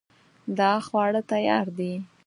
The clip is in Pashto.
دا خواړه تیار دي